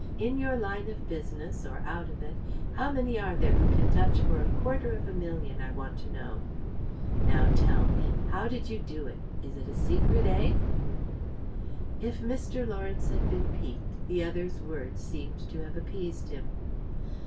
In your line of business, or out of it, how many are there who can touch for a quarter of a million, I want to know? Now, tell me, how did you do it is it a secret, eh?" If Mr. Lawrence had been piqued, the other's words seemed to have appeased him.